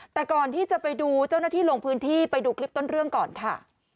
แต่ก่อนที่จะไปดูเจ้าหน้าที่ลงพื้นที่ไปดูคลิปต้นเรื่องก่อนค่ะ